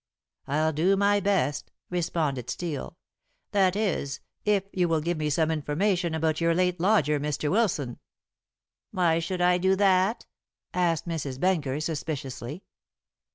"I'll do my best," responded Steel; "that is, if you will give me some information about your late lodger, Mr. Wilson." "Why should I do that?" asked Mrs. Benker suspiciously.